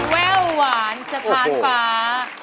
แว่วหวานสถานฟ้า